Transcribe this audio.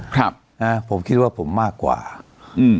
ครับนะผมคิดว่าผมมากกว่าอืม